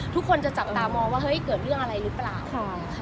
ทุกคนจะจับตามองว่าเฮ้ยเกิดเรื่องอะไรหรือเปล่า